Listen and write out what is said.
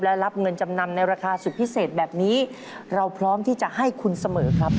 และรับเงินจำนำในราคาสุดพิเศษแบบนี้เราพร้อมที่จะให้คุณเสมอครับ